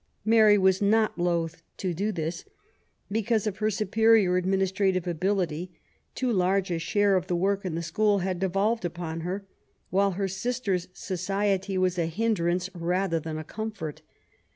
Mary was not loath to do this. Because of her superior administrative ability, too large a share of the work in the school had devolved upon her, while her sisters' society was a hindrance rather than a comfort.